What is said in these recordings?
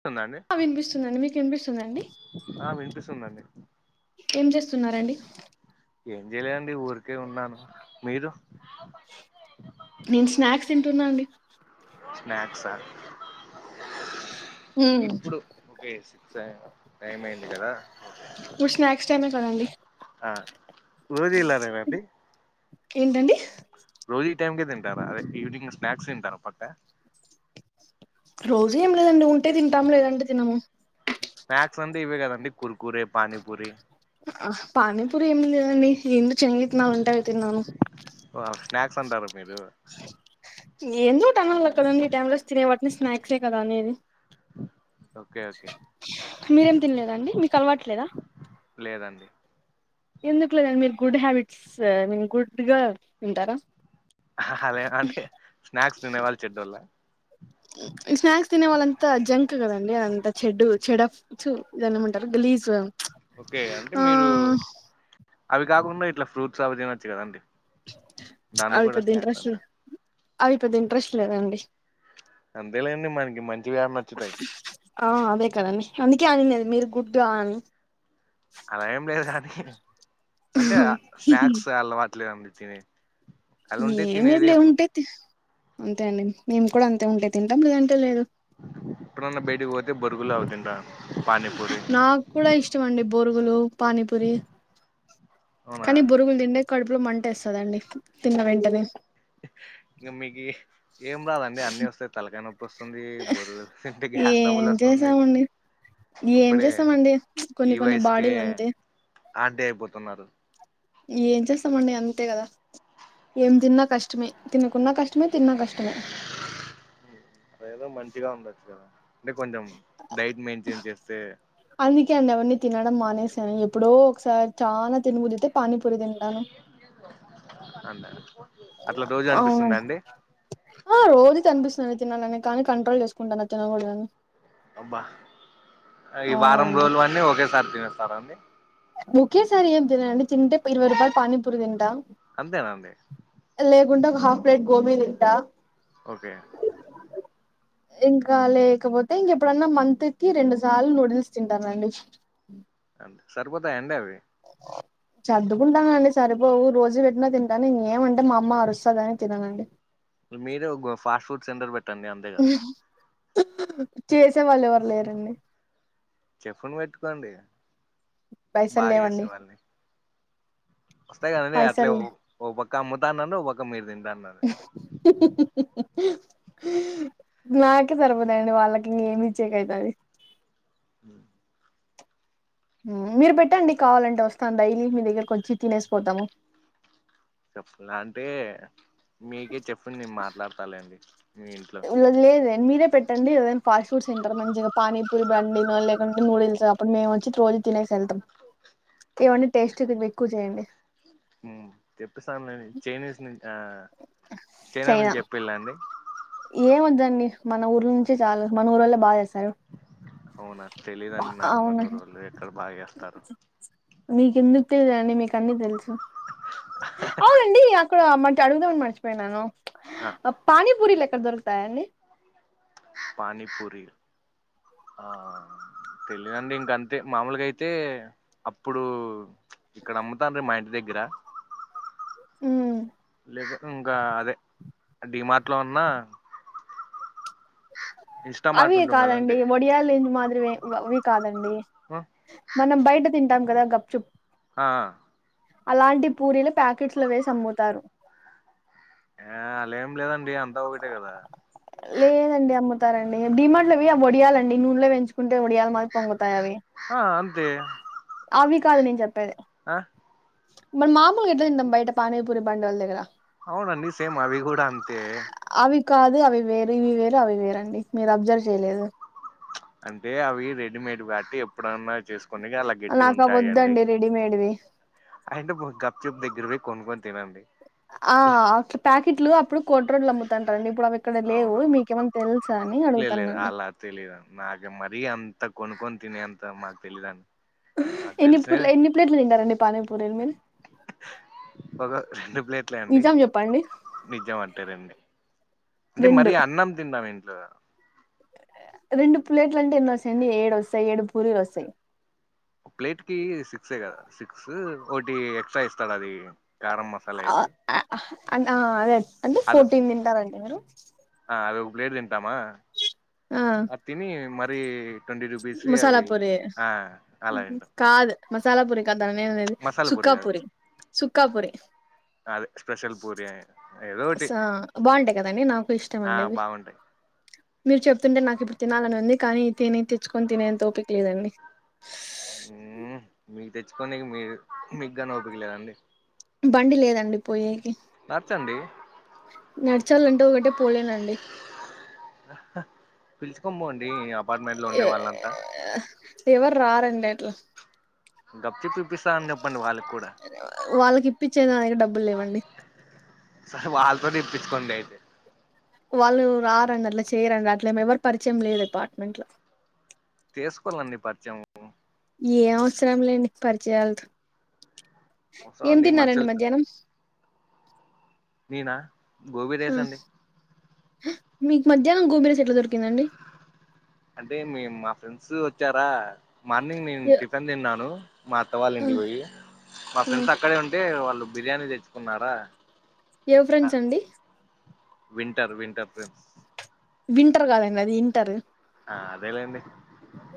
స్తుందండి వినిపిస్తుందండి మీకు వినిపిస్తుందండి ఆ వినిపిస్తుందండి ఏం చేస్తున్నారండి ఏం చేయలేదండి ఊరికే ఉన్నాను మీరు నేను స్నాక్స్ తంటున్నా అండి స్నాక్సా ఇప్పుడు సిక్స్ టైమ్ అయింది కదా ఒకే ఇప్పుడు స్నాక్స్ టైమే కదండి ఆ రోజీ ఇలారేరండి ఏంటండి రోజీ ఈ టైమ్ కే తింటార అదే ఈవినింగ్ స్నాక్స్ తింటారా పక్కా రోజు ఏం లేదండి ఉంటే తింటాము లేదంటే తినము స్నాక్స్ అంటే ఇవే కదండి కుర్కూరే పానీపూరి ఆ పానీపూరి ఎమ్ లేవండి ఇంట్లో చంగీటన ఉంటే అవి తిన్నాను వా స్నాక్స్ అంటార మీరు ఎందో ఒకటి అనాల కదండి ఈ టైమ్ లో తినేవాటిని స్నాక్సే కదా అనేది ఓకే ఓకే మీరేం తినలేదా అండి మీకు అలవాట్లేదా లేదండి ఎందుకు లేదండి మీరు గుడ్ హ్యాబిట్స్ మీ గుడ్ గా ఉంటారా అదే అంటే స్నాక్స్ తినేవాళ్ళు చెడ్డోళ్ళ స్నాక్స్ తినే వాళ్ళంతా జంక్ గదండి అదంతా చెడ్ చెడఫ్ చూ జనం ఉంటారు గలీజ్ గా ఓకే అంటే మీరు అవి కాకుండా ఇట్లా ఫ్రూట్స్ అవి తినొచ్చు గదండి అవి పెద్ద ఇంట్రెస్ట్ అవి పెద్ద ఇంట్రెస్ట్ లేదండి అంతేలేండి మనకి మంచి ఆ అదే కదండి అందుకే అనినేది మీరు గుడ్డా అని అలా ఏం లేదు గానీ అంటే స్నాక్స్ అలవాట్లేదండి తిని ఏం లేదులే ఉంటే తి అంతే అండి మేము కూడా అంతే ఉంటే తింటాం లేదు అంటే లేదు ఎప్పుడన్న బయటికి పోతే బొరుగులు అవితింటాను నాకు కూడా ఇష్టం అండి బొరుగులు పానీపూరి అవునా కానీ బొరుగులు దింటే కడుపులో మంటేస్తదండి తిన్న వెంటనే ఇంగ మీకి ఏం రాదండి అన్ని వస్తే తలకాయనొ ప్పి వస్తుంది బుర్రలో తింటే గ్యాస్ ఏం ట్రబుల్ వస్తుంది చేసామండి ఏం అప్పుడే చేస్తామండి కొన్ని ఈ కొన్ని వయసుకే బాడీలు అంతే ఆంటీ అయిపోతున్నారు ఏం చేస్తామండి అంతే గదా ఏం తిన్నా కష్టమే తినకున్నా కష్టమే తిన్నా కష్టమే అదేదో మంచిగా ఉండొచ్చు కదా అంటే కొంచెం డైట్ మెయింటైన్ చేస్తే అందుకే అండి అవన్ని తినడం మానేసా ఎప్పుడో ఒకసారి చానా తినబుదైతే పానీపూరి తింటాను అంతేనా అట్లా రోజు అవును అనిపిస్తుందా అండి ఆ రోజు అనిపిస్తుంది తినాలని కానీ కంట్రోల్ జేసుకుంటాను అది తినగూడదని అబ్బా ఈ వారం అవునండి రోజులు అన్నీ ఒకేసారి తినేస్తారా అండి ఒకేసారి ఏం తినను అండి తింటే ఇరవై రూపాయలు పానీపూరి తింటా అంతేనా అండి లేకుంటే ఒక హాఫ్ ప్లేట్ గోబి దింటా ఓకే ఇంకా లేకపోతే ఇంకెప్పుడన్నా మంత్ కి రెండు సార్లు నుడిల్స్ తింటానండి అంతే సరిపోతాయా అండి అవి చర్దుకుంటానండి సరిపోవు రోజు పెట్టిన తింటాను ఏమంటే మా అమ్మ అరుస్తదని తిననండి మీరే ఒగ ఫాస్ట్ ఫుడ్ సెంటర్ పెట్టండి అంతే గదా చేసే వాళ్ళు ఎవరు లేరండి చెఫ్ ని పెట్టుకోండి పైసలు బాగా లేవండి జేసేవాళ్ళని వస్తాయి గదండి అట్లే పైసలు ఓ ఓ పక్క అమ్ముతా అన్నారు ఒక పక్క మీర్ దింటా అన్నారు హు హు హు నాకే సరిపోతయండి వాళ్ళకి ఇంగ ఏమి ఇచ్చేకైతది ఉమ్ ఉమ్ మీరు పెట్టండి కావాలంటే వస్తాను డైలీ మీ దగ్గర కొచ్చి తినేసిపోతాము చెప్పాల అంటే మీకే చెఫ్ని నేన్ మాట్లాడతలేండి మీ ఇంట్లో ఈ రోజు లేదు మీరే పెట్టండి ఏదన్నా ఫాస్ట్ ఫుడ్స్ సెంటరు మంచిగా పానీపూరి బండి లేకుంటే నూడిల్స్ ఆప్పుడు మేము వచ్చి రోజు తినేసి వెళ్తాం ఇవన్నీ టేస్ట్ ఎక్కువ చేయండి ఆ చెప్పిస్తాను నేను చైనీస్ ను చైనా నుంచి చెప్పిళండి ఏమ వద్దండి మన ఊర్ నుంచే చాలు మన ఊర్ల్ బా చేస్తారు అవునా తెలీదండి నాకు అవును మానురోళ్లు ఎక్కడ బాచేస్తారో మీకెందుకు తెలిదడి మీకు అన్నీ తెలుసు ఆ అండి అక్కడ మ అడుగుదామని మర్చిపోయినాను ఆ ఆ పని పూరిలు లెక్కడ దొరుకుతాయండి పానీ పూరి ఆ తెలియదండి ఇంక అంతే మామూలుగా అయితే అప్పుడు ఇక్కడ అమ్ముతానులే మా ఇంటి దగ్గర ఉ ఇంకా అదే డిమార్ట్లో ఉన్నా అవి ఇన్స్టామార్ట్ ఉంటుంది కదండి కాదండి ఒడియాలు మాదిరివే అవి కాదండి ఆ మనం బైట తింటం కదా గప్చుప్ ఆ ఆ అలాంటి పూరీలు ప్యాకెట్లో వేసి అమ్ముతారు ఆ అలాం లేదండి అంతా ఒకటే కదా లేదండి అమ్ముతారండి డిమాట్లు అవి వడియాలండి నూనెలో వెంచుకుంటే వడియాలి మా పొంగుతాయి అవి ఆ అంతే అవి కాదు నేను చెప్పేది ఆ మనం మాములుగా ఎట్ల తింటాం బయట పానీ పూరి బండి ఓళ్ళ దగ్గర అవునండి సేమ్ అవి కూడా అంతే అవి కాదు అవి వేరు ఇవి వేరు అవి వేరండి మీరు అబ్జర్వ్ చేయలేదు అంటే అవి రెడీమేడ్ బాటి ఎప్పుడైన్నా చేసుకో కొన్నిగా అలా గట్టిగా నాకు అవి ఉంటాయి అండి వద్దండి రెడీమేడ్వి అయినా మీరు గప్చుప్ దగ్గర పోయి కొనుక్కొని తినండి ఆ అట్లా ప్యాకెట్లు అప్పుడు కొట్రోడ్లో అమ్ముతాన్రండి ఇప్పుడు ఆవి ఇక్కడ లేవు అవును మీకేమన్నా తెల్సా అని అడుగుతన్నాండి తెలీదడి మరీ అంత కొనుక్కొని తినేంతా మాకు తెలీదుండి ఎన్ని పూరి ఎన్ని ప్లేట్లు తింటరండి పానీ పూరీలు మీరు ఒక రెండు ప్లేట్లే అండి నిజం చెప్పండి నిజం అట్టేరండి అంటే మరి రెండు అన్నం తింటాం ఇంట్లో రెండు ప్లేట్లు అంటే ఎనోత్సయండి ఏడు వస్తాయి ఏడు పూరీలు వస్తాయి ఓ ప్లేట్కి సిక్సే కదా సిక్స్ ఒకటి ఎక్స్ట్రా ఇస్తాడు అది కారం మ అదే అంటే అది ఫోర్టీన్ తింటారెండి మీరు ఆ అదొక ప్లేట్ తింటామా ఆ అది తిని మరి ట్వంటీ రూపీస్వి మసాలా అవి పూరి ఆ అలా తింటాం కాదు మసాలా పూరి కాద నేన్ తిన్ మసాలా పూరి కాదు సుక్కాపురి సుక్కా పూరి అదే స్పెషల్ పూరి ఏదో ఒకటి స బాంటై కదండి నాకు ఇష్టం ఆ అండి ఆవి బాగుంటాయి మీరు చెప్తుంటే నాకు ఇప్పుడు తినాలని ఉంది కానీ తినే తెచ్చుకొని తినేంత ఓపిక లేదండి ఆ మీకు తెచ్చుకోనికి మీ మీక్ని ఓపికలేదండి బండి లేదండి పోయేకి నాడ్చండి నడిచాలంటే ఒకటే పోలేనండి పిలిసుకోనిపోండి అప్ ఏ ఎవర్రారరండి అట్లా గప్ చిప్ ఇప్పిస్త అని చెప్పండి వాళ్ళకి కూడా వాళ్ళకి ఇప్పిచ్చే దానికి డబ్బులు లేవండి సహా వాళ్ళతోటె ఇప్పిచ్చుకోండయితే వాళ్ళు రారండి అట్లా చేయరండి అట్ల ఏం ఎవరి పరిచయం లేదు అపార్ట్మెంట్ లో చేసుకోళ్ళండి పరిచయము ఏమవసరం లేండి పరిచయాలతొ ఏం వస్తామండి తిన్నారండి మనుషులతో మధ్యానం నేనా గోబీ రైస్ మ్మ్ అండి మీకు మధ్యానం గోబిరైస్ ఎట్లా దొరికిందండి అంటే మీ మా ఫ్రెండ్స్ వచ్చారా మార్నింగ్ నేను ఏ టిఫన్ తిన్నాను మా అత్తవాళ్ళ ఆ ఇంటికి పోయి మా ఆ ఫ్రెండ్స్ అక్కడే ఉంటే వాళ్ళు బిర్యానీ తెచ్చుకున్నారా ఏ ఫ్రెండ్స్ అండి వింటర్ వింటర్ ఫ్రెండ్స్ వింటర్ కాదండి అది ఇంటరు ఆ అదేలేండి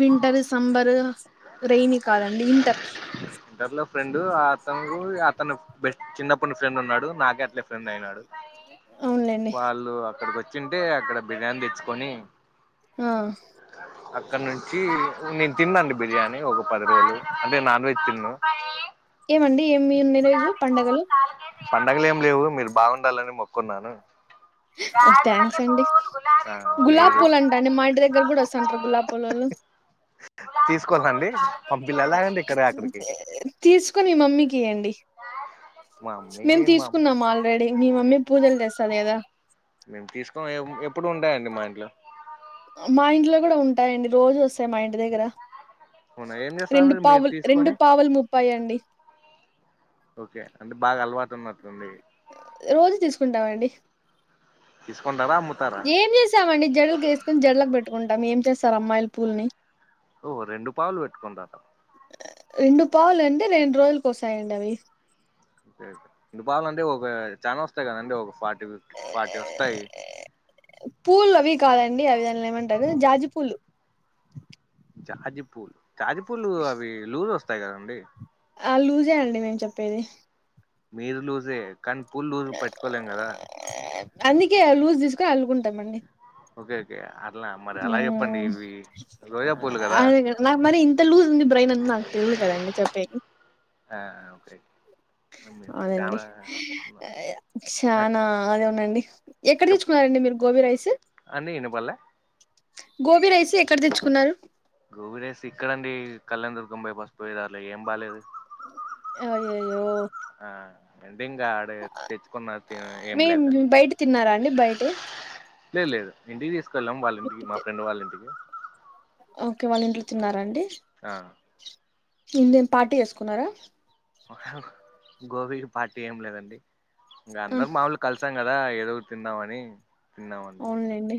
వింటర్ సంబరు రైనీ కాదండి ఇంటర్ ఫ్రెండు అతను అతను బెస్ట్ చిన్నప్పటి నుండి ఫ్రెండ్ అన్నాడు నాకే అట్లే ఫ్రెండయినాడు అవునులేండి వాళ్ళు అక్కడికి వచ్చింటే అక్కడ బిర్యానీ తెచ్చుకొని ఆ అక్కడ నుంచి నేను తిన్నండి బిర్యానీ ఒక పది రోజులు అంటే నాన్ వెజ్ తిన్ను ఏమండి ఏమి ఇన్ని రోజులు పండగలు పండగ ఏం లేవు మీరు బాగుండాలని మొక్కున్నాను ఆ ఓ థ్యాంక్స్ అండి మీరు ఇడకి కూడా వస్తుంటారా గులాబ్పులోల్లు తీసుకోవాలన అండి పబ్జిల్లో అలారం పెట్టాడు అక్కడికి తీసుకొని మమ్మీకి ఇయ్యండి మా మేము అమ్మకి మా అమ్మ తీసుకున్నాం ఆల్రెడీ మీ మమ్మీ పూజలు చేస్తాది గదా మేము తీసుకోఏం ఎప్పుడు ఉంటాయండి మా ఇంట్లో మా ఇంట్లో కూడా ఉంటాయండి రోజు వస్తాయి మా ఇంటి దగ్గర అవునా ఏం రెండు చేస్తారు మీరు పావులు రెండు తీసుకొని పావులు ముప్పాయండి ఓకే అంటే బాగా అలవాటు వున్నట్లుంది రోజు తీసుకుంటామండి తీసుకుంటార అమ్ముతారా ఇచ్చామండి జడలకి వేసుకుని జడలకు పెట్టుకుంటాం ఏ చేస్తరు అమ్మాయిలు పూల్ని ఓ రెండు పావులు పెట్టుకుంటార రెండు పావులు అండి రెండు రోజులు కోస్తాయండి అవి ఇంగ పావంటే ఒక చానా వస్తాయి కదండి ఒక ఫార్టీ ఫిఫ్టీ ఫార్టీ వస్తాయి పూల్ అవి కాదండి అవి దాన్లీనీ ఏమంటారు జాజి పూలు జాజి పూలు జాజి పూలు అవి లూజ్ వస్తాయి కదండి ఆ లూజె అండి నేను చెప్పేది మీరు లూజే కానీ పూ లూజ్ పట్టుకోలేం కదా అందుకే లూజ్ తీసుకొని అల్లుకుంటామండి ఓకే ఓకే అట్లా మరి అలా చెప్పండి ఉమ్ ఇవి రోజా పూలు కదా అ నాకు మరి ఇంత లూస్ ఉంది బ్రైన్ అని నాకూ తెలీదు కదండి చెప్పేకి ఓకేే మీరు చాలా చనా అదే అవునండి ఎక్కడ చెప్ తీచ్చుకున్నారండి మీరు గోబీ రైస్ అండి వినపడలే గోబీ రైస్ ఎక్కడ తెచ్చుకున్నారు గోబీ రైస్ ఇక్కడండి కళ్యాణదుర్గం పోయే బస్ పోయే దారీలో ఏం బాలేదు అ అయ్యయ్యో ఆ అంటే ఇంకా అదే తెచ్చుకున్నా తిన్నా ఏం మేం లేక బయట తిన్నారా అండి బయటే లేదు లేదు ఇంటికి తీసుకెళ్ళాం వాళ్ళ ఇంటికి మా ఫ్రెండ్ వాళ్ళ ఇంటికి ఓకే వాళ్ళ ఇంట్లో తిన్నారా అండి ఆ ఇంకేం పార్టీ చేసుకున్నారా గోబీకి పార్టీ ఏం లేదండి ఇంకా ఆ అందరు మాములు కలిసాం కదా ఎదొ ఒకటి తిందామని తిన్నామండి అవునులేండి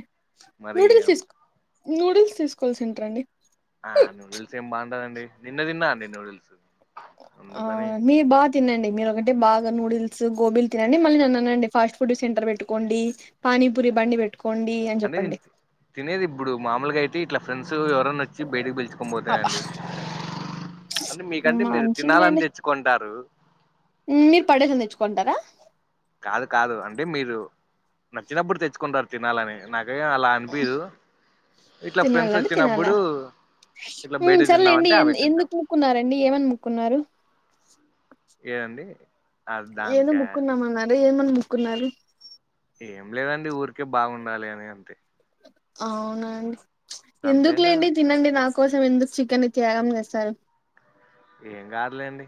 మరి నూడిల్స్ తీసుకు నూడిల్స్ తీసుకోవాల్సి ఉంటారండి ఆ నూడిల్స్ ఏం బాగుంటదండి నిన్న తిన్నా అండి నూడుల్స్ ఆ మీర్ బా తినండి మీరు ఒకటే బాగా నూడుల్స్ గోబీలు తినండిమళ్లీ నన్ను అనండి ఫాస్ట్ ఫుడ్ సెంటర్ పెట్టుకోండి అని. పానీ పూరి బండి పేట్ అంటే నేన్ తినేది ఇప్పుడు మామలుగా అయితే ఇట్లా ఫ్రెండ్స్ ఎవరన్నా వచ్చి వచ్చి బయటికి పిలుచుకొని పోతే అబ్బా అండి అంటే మీకంటే మీరే తినాలని మంచిదిలేండి తెచ్ కొంటారు మీరు పడేసేకి తెచ్చుకుంటారా కాదు కాదు అంటే మీరు నచ్చినప్పుడు తెచ్చుకుంటారు తినాలని నాకేం అలా అనిపియదు ఇట్లా ఫ్రెండ్స్ వచ్చినప్పుడు ఇట్లా బయట మ్మ్ సరేలేండి తిందామంటే అవి ఎంద్ తింటాం ఎందుకు మూక్కున్నారండి ఏమని మూక్కున్నారు ఏ అండి ఏదో మోక్కున్నామన్నారే ఏమని మొక్కుకున్నారు ఏం లేదండి ఊరికే బాగుండాలి అని అంతే అవునాండి అంతేనా ఎందుకులేండి తినండి నా కోసం ఎందుకు చికెన్నీ త్యాగం చేస్తారు ఏం కాదులేండి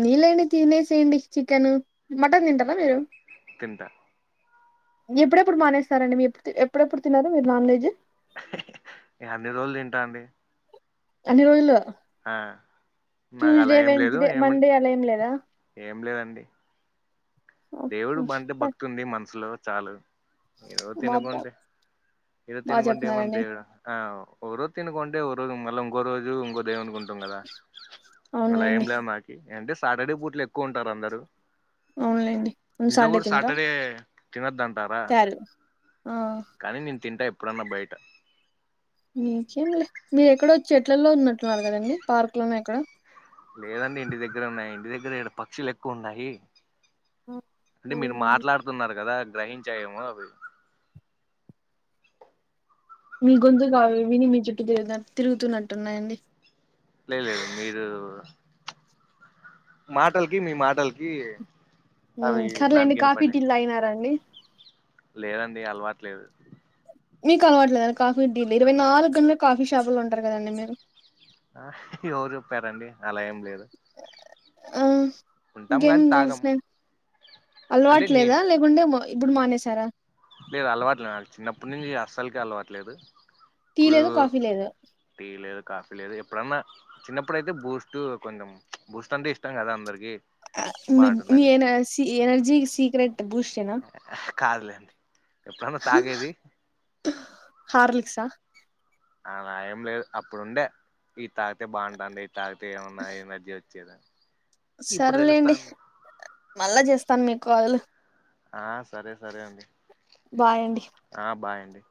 నీళ్లన్నీ తినేసేయండి చికెను మటన్ తింటారా మీరు? తింటా. ఎప్పుడెప్పుడు మానేస్తారాండి మీరుప్పు ఎప్పుడెప్పుడు తిన్నరు మీరు నాన్ వేజు నేను, అన్ని రోజులు తింటా అండి అన్ని రోజులు ఆ నాకు అలా ట్యూస్డే ఏం లేదు ఏమ వెన్స్డేమండే అలా ఏం లేదా ఏం లేదండి దేవుడు పట్ల భక్తి ఉంది మనసులో చాలు ఏదో తిన బాబా గుంటె ఏదొ బాగా తినగుంటే చెప్తున్నారండి ఏమనిపియ్యదా ఆ ఓ రో తినుకుంటే ఓరోజు మళ్ళ ఇంకో రోజు ఇంకో దేవునికి ఉంటం గదా అలా ఏం అవునులేండి లేదు మాకి అంటే సాటర్డే పూట్లు ఎక్కువుంటారందరూ అవునులేండి ఇంట్లో గూడా సాటర్డే తినద్దంటారా తారు ఆ కానీ నేను తింటా ఎప్పుడన్నా బయట నిజమే మీరెక్కడో చెట్లలో ఉన్నట్లున్నారు కదండి పార్క్ లోనో ఎక్కడో లేదండి ఇంటి దగ్గర ఉన్నా ఇంటి దగ్గర ఇడ పక్షులు ఎక్కువ ఉన్నాయి అంటే మీరు పోయినండి మాట్లాడుతున్నారు కదా గ్రహించయేమో అవి మీ గొంతుకు అవి విని మీ చుట్టు తిరుగుతున్నట్టున్నాయండి లేదు లేదు మీరు మాటలకి మీ మాటలకి అవి నాన్న గిన పడే తాగినారా అండి లేదండి అలవాట్ లేదు మీకలవట్లేదండి కాఫీ టీలు ఇరవై నాలుగు గంటలు కాఫీ షాపులో ఉంటారు కదండి మీరు ఎవరు చెప్పారండి అలా ఏం లేదు ఆ ఉంటాం ఇంకేమ్ కానీ తాగం ధిసిన అంటే అలవాట్లేదా నేను లే ఉండేమో ఇప్పుడు మానేసారా లేదు అలవాట్లేద్ నాకు చిన్నప్పటి నుంచి అస్సల్కే అలవాట్లేదు టీ ఇప్పుడు లేదు కాఫీ లేదు టీ లేదు కాఫీ లేదు ఎప్పుడన్నా చిన్నప్పుడైతే బూస్ట్ కొంచెం బూస్ట్ అంటే ఇష్టం గదా అందరికీ మీ మీ ఎనర్జీకి సీక్రెట్ బూస్ట్ ఎనా కాదులేండి ఎప్పుడన్నా తాగేది హార్లిక్సా అలా ఏం లేదు అప్పుడుండే ఈ తాగితే బాగుంటంది ఈ తాగితే ఏమన్నా ఎనర్జీ వ చ్చేదని సర్లేండి మళ్ళా జేస్తా మీక్ కాల్ ఆ సరే సరే అండి బాయ్ అండి ఆ బాయ్ అండి